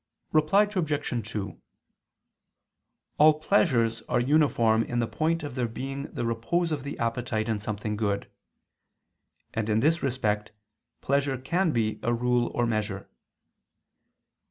Reply Obj. 2: All pleasures are uniform in the point of their being the repose of the appetite in something good: and in this respect pleasure can be a rule or measure.